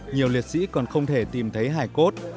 nhiều liệt sĩ còn không thể tìm thấy hải cốt